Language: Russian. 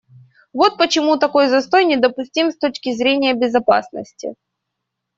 Вот почему такой застой недопустим с точки зрения безопасности.